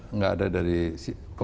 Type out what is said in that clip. enggak ada dari kepentingan